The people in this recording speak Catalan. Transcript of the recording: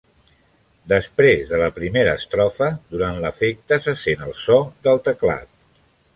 Després de la primera estrofa, durant l'efecte se sent el so del teclat.